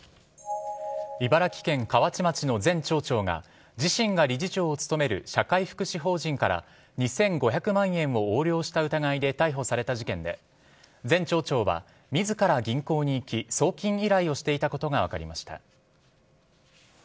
茨城県河内町の前町長が自身が理事長を務める社会福祉法人から２５００万円を横領した疑いで逮捕された事件で前町長は自ら銀行に行き送金依頼をしていたことが分かりました。